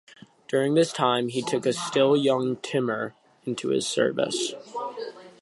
During this time, he took a still young Timur into his service.